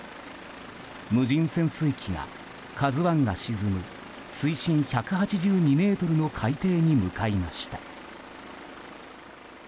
無人潜水機が「ＫＡＺＵ１」が沈む水深１８２ｍの海底に向かいました。